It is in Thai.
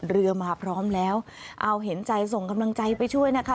เรือมาพร้อมแล้วเอาเห็นใจส่งกำลังใจไปช่วยนะคะ